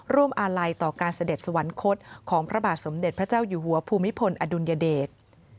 อาลัยต่อการเสด็จสวรรคตของพระบาทสมเด็จพระเจ้าอยู่หัวภูมิพลอดุลยเดช